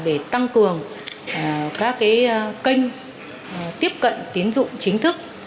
để tăng cường các kênh tiếp cận tiến dụng chính thức